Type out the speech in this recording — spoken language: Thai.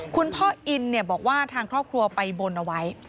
คุณพ่ออินบอกว่าทางครอบครัวไปบนเอาไว้